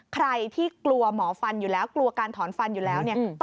ใครที่กลัวหมอฟันอยู่แล้วกลัวการถอนฟันอยู่แล้วเนี่ย